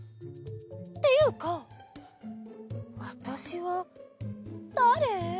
っていうかわたしはだれ？